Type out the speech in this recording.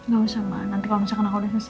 gak usah mama nanti kalo misalkan aku udah selesai